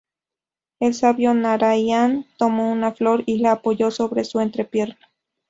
El sabio Naraian tomó una flor y la apoyó sobre su entrepierna.